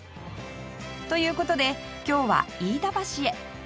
という事で今日は飯田橋へ